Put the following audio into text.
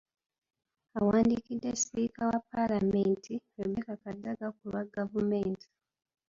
Awandiikidde Sipiika wa Palamenti, Rebecca Kadaga ku lwa gavumenti